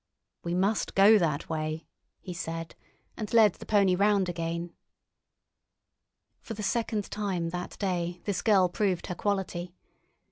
"We must go that way," he said, and led the pony round again. For the second time that day this girl proved her quality.